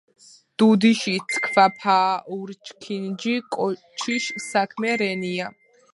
დუდიში ცქვაფა ურჩქინჯი კოჩიშ საქმე რენია